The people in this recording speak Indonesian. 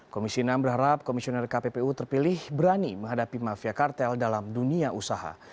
komisi enam berharap komisioner kppu terpilih berani menghadapi mafia kartel dalam dunia usaha